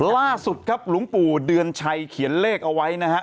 ล่าสุดครับหลวงปู่เดือนชัยเขียนเลขเอาไว้นะฮะ